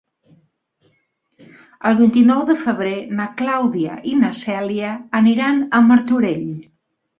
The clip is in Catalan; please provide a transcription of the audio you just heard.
El vint-i-nou de febrer na Clàudia i na Cèlia aniran a Martorell.